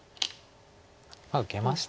受けました。